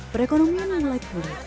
perekonomian anak anak pulih